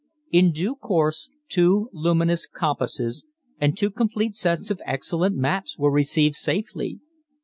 In due course two luminous compasses and two complete sets of excellent maps were received safely.